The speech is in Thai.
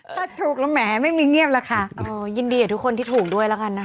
ถ้าถูกแล้วแหมไม่มีเงียบแล้วค่ะยินดีกับทุกคนที่ถูกด้วยแล้วกันนะคะ